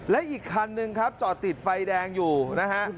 และอีกคันหนึ่งครับจอดติดไฟแดงอยู่นะฮะ